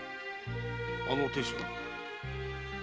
あの亭主は？